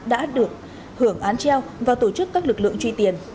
đã được hưởng án treo và tổ chức các lực lượng truy tiền